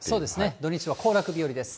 土日は行楽日和です。